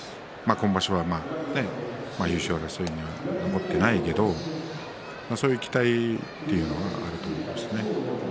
今場所は優勝争いには残っていないけどそういう期待というのはあると思いますね。